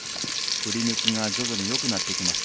振り抜きが徐々によくなってきました。